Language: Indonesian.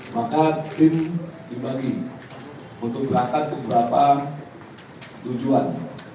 maka tim dibagi untuk berangkat ke beberapa tujuan